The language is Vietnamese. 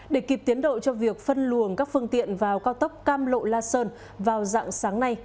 để kịp tiến độ cho việc phân luồng các phương tiện vào cao tốc cam lộ la sơn vào dạng sáng nay